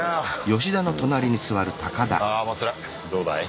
どうだい？